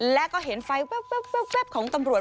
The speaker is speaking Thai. และก็เห็นไฟแว๊บของตำรวจ